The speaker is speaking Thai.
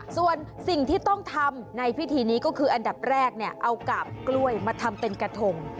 ส่วนสิ่งที่ต้องทำในพิธีนี้ก็คืออันดับแรกเอากาบกล้วยมาทำเป็นกระทง